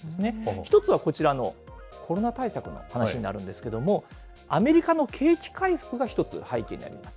１つはこちらの、コロナ対策の話になるんですけれども、アメリカの景気回復が１つ、背景にあります。